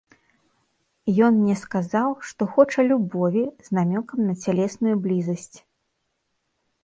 Ён мне сказаў, што хоча любові з намёкам на цялесную блізасць.